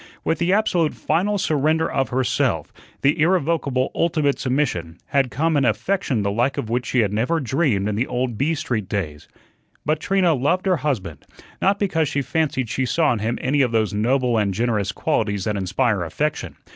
With the absolute final surrender of herself, the irrevocable, ultimate submission, had come an affection the like of which she had never dreamed in the old B Street days. But Trina loved her husband, not because she fancied she saw in him any of those noble and generous qualities that inspire affection.